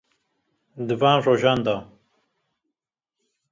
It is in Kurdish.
Di van rojan de,